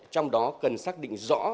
trong đó cần xác định rõ